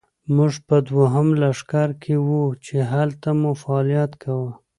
موږ په دوهم لښکر کې وو، چې هلته مو فعالیت کاوه.